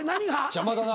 邪魔だな。